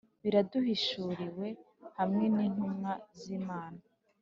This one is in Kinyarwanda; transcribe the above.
biraduhishuriwe. hamwe n'intumwa z'imana